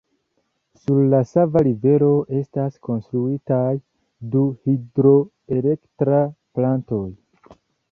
Sur la Sava Rivero estas konstruitaj du hidroelektra plantoj.